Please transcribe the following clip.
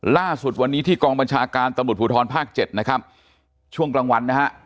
ล่าสุดวันนี้ที่กองบัญชาการตำรวจภูทรภาค๗นะครับช่วงกลางวันนะฮะ